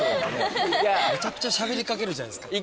めちゃくちゃしゃべりかけるじゃないですか。